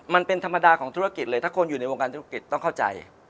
มันเป็นธรรมดาของธุรกิจเลยถ้าคนอยู่ในวงการธุรกิจต้องเข้าใจ